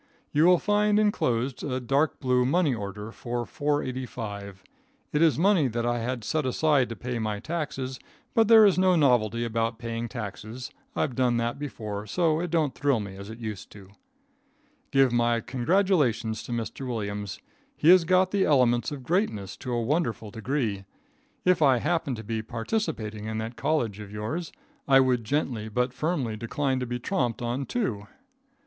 You will find inclosed a dark blue money order for four eighty five. It is money that I had set aside to pay my taxes, but there is no novelty about paying taxes. I've done that before, so it don't thrill me as it used to. Give my congratulations to Mr. Williams. He has got the elements of greatness to a wonderful degree. If I happened to be participating in that colledge of yours, I would gently but firmly decline to be tromped onto.